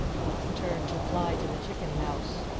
He turned to fly to the chicken house.